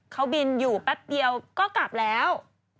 เขาบินอยู่แป๊บเดียวก็กลับแล้ว